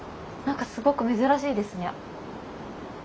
何かすごく珍しいですね。